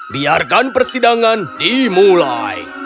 biarkan persidangan dimulai